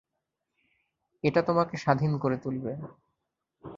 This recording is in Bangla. এটা তোমাকে স্বাধীন করে তুলবে।